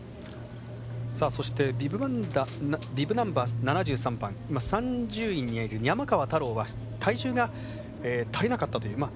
そしてビブナンバー７３番３０位に見える山川太朗は体重が足りなかったという。